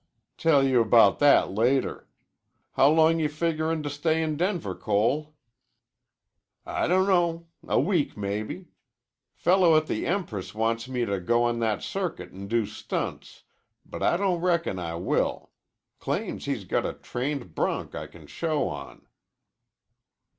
"Tell you about that later. How long you figurin' to stay in Denver, Cole?" "I dunno. A week, mebbe. Fellow at the Empress wants me to go on that circuit an' do stunts, but I don't reckon I will. Claims he's got a trained bronc I can show on."